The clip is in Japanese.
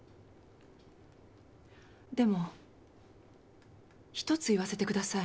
でも一つ言わせてください。